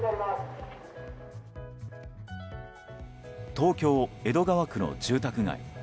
東京・江戸川区の住宅街。